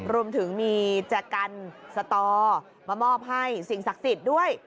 รวมถึงมีจะกันสตอมามอบให้สิ่งศักดิ์สิทธิ์ด้วย